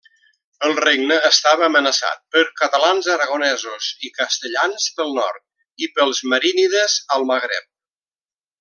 El regne estava amenaçat per catalans-aragonesos i castellans pel nord, i pels marínides al Magreb.